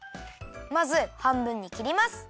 まずはんぶんにきります。